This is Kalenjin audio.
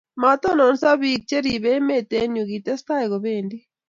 Matononso Biko cheribe emet eng yuu kitestai kobendi